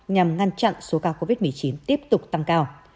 nhằm ngăn chặn số ca covid một mươi chín tiếp tục tăng cao